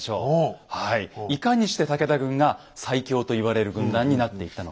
いかにして武田軍が最強と言われる軍団になっていったのか